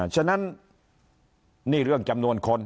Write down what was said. ฉะนั้นนี่เรื่องจำนวนคน